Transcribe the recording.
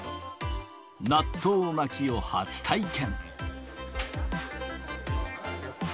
納豆巻きを初体験。